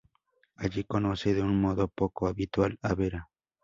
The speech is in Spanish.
Allí conoce de un modo poco habitual a Vera.